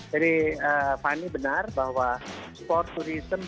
jadi fani benar bahwa sporturism banyak menarik